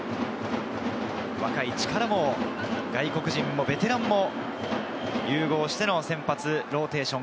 若い力も外国人もベテランも融合しての先発ローテーション。